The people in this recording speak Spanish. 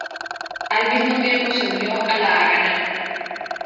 Al mismo tiempo se unió a la Haganá.